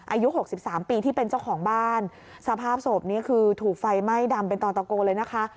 อายุหกสิบสามปีที่เป็นเจ้าของบ้านสภาพศพนี่คือถูกไฟไหม้ดำเป็นต่อตะโกเลยนะคะ